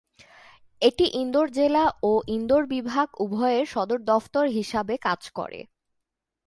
এটি ইন্দোর জেলা ও ইন্দোর বিভাগ উভয়ের সদর দফতর হিসাবে কাজ করে।